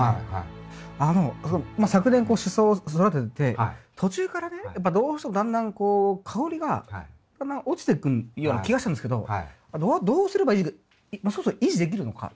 あの昨年こうシソを育ててて途中からねやっぱどうしてもだんだんこう香りがだんだん落ちていくような気がしたんですけどどうすれば維持がそもそも維持できるのか。